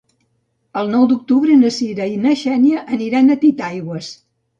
El nou d'octubre na Cira i na Xènia aniran a Titaigües.